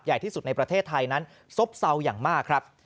ใหญ่ที่สุดในประเทศไทยนั้นซบเศร้าอย่างมากครับ